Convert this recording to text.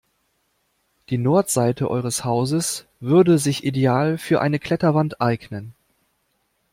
Die Nordseite eures Hauses würde sich ideal für eine Kletterwand eignen.